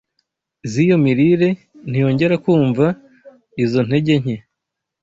z’iyo mirire, ntiyongera kumva izo ntege nke,